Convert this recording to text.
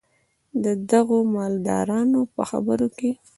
د دغو مالدارانو په خبرو کې.